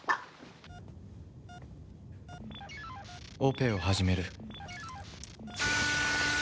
オペを始める。